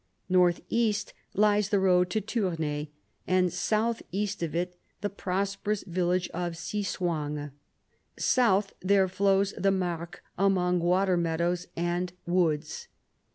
North east lies the road to Tournai, and south east of it the prosperous village of Cysoing. South there flows the Marcq among water meadows and woods.